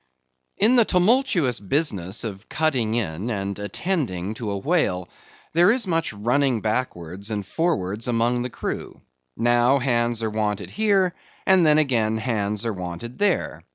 In the tumultuous business of cutting in and attending to a whale, there is much running backwards and forwards among the crew. Now hands are wanted here, and then again hands are wanted there.